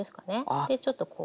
でちょっとこう。